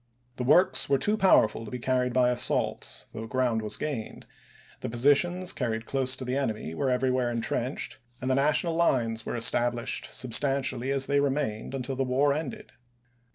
The works were too powerful to be carried by assault, though ground was gained ; the positions carried close to the enemy were everywhere intrenched, and the 412 ABKAHAM LINCOLN ch. xviil National lines were established substantially as they remained until the war ended.